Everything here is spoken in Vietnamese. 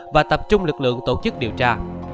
và tập trung lực lượng tổ chức điều tra